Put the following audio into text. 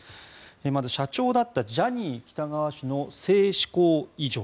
まず社長だったジャニー喜多川氏の性嗜好異常。